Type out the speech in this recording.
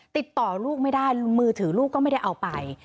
ติดต่อลูกไม่ได้มือถือลูกก็ไม่ได้เอาไป